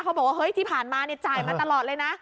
บอกว่าเฮ้ยที่ผ่านมาเนี่ยจ่ายมาตลอดเลยนะ